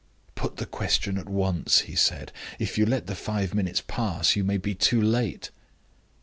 "Put the question at once," he said; "if you let the five minutes pass, you may be too late."